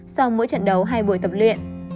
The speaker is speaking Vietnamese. sau mỗi trận đấu hay buổi tập luyện